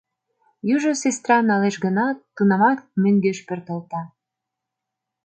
Южо сестра налеш гынат, тунамак мӧҥгеш пӧртылта.